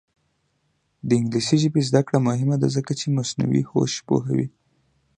د انګلیسي ژبې زده کړه مهمه ده ځکه چې مصنوعي هوش پوهوي.